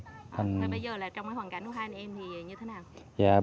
bây giờ trong hoàn cảnh của hai anh em thì như thế nào